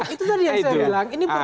itu tadi yang saya bilang